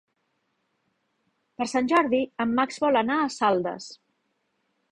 Per Sant Jordi en Max vol anar a Saldes.